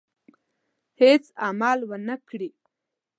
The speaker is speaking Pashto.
هېڅ عمل ونه کړي.